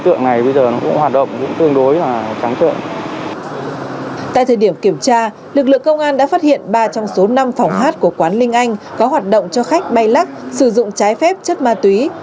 tại thời điểm kiểm tra lực lượng công an đã phát hiện ba trong số năm phòng hát của quán linh anh có hoạt động cho khách bay lắc sử dụng trái phép chất ma túy